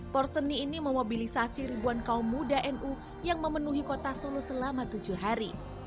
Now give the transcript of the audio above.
porseni ini memobilisasi ribuan kaum muda nu yang memenuhi kota solo selama tujuh hari